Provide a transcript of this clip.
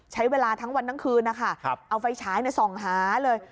ใช้เวลาทั้งวันทั้งคืนนะคะเอาไฟฉายส่องหาเลย